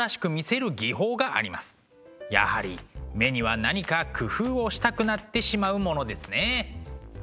やはり目には何か工夫をしたくなってしまうものですね。